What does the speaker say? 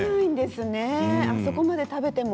あそこまで食べても。